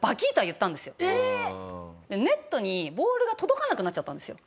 ネットにボールが届かなくなっちゃったんですよ。